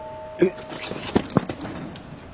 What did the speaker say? えっ？